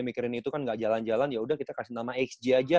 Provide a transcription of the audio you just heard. mikirin itu kan gak jalan jalan yaudah kita kasih nama xg aja